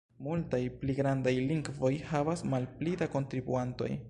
Multaj pli grandaj lingvoj havas malpli da kontribuantoj.